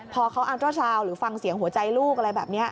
พอเขาอันตราชาวหรือฟังเสียงหัวใจลูกอะไรแบบนี้